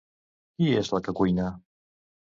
Qui és la que cuina?